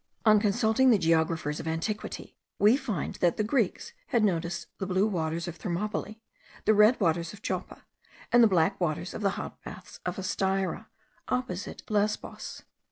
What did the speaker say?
On consulting the geographers of antiquity, we find that the Greeks had noticed the blue waters of Thermopylae, the red waters of Joppa, and the black waters of the hot baths of Astyra, opposite Lesbos.